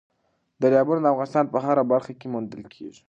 دریابونه د افغانستان په هره برخه کې موندل کېږي.